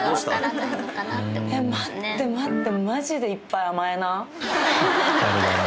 えっ待って待って。